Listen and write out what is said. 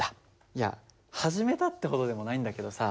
いや始めたってほどでもないんだけどさ。